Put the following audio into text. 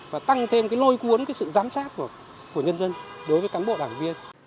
và tăng thêm lôi cuốn sự giám sát của nhân dân đối với cán bộ đảng viên